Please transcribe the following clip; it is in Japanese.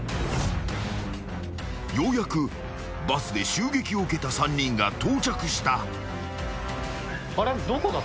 ［ようやくバスで襲撃を受けた３人が到着した］